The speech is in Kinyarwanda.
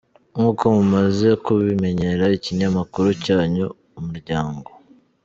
Nk’uko mumaze kubimenyera, ikinyamakuru cyanyu Umuryango.